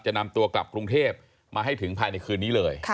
นำตัวกลับกรุงเทพมาให้ถึงภายในคืนนี้เลย